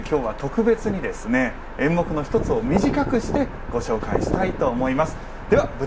ということできょうは特別に演目の一つを短くしてご紹介したいと思います。